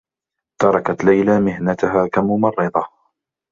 تركت ليلى مهنتها كممرّضة.